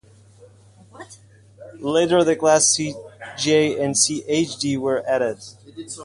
Later the classes C-J and C-Hd were added.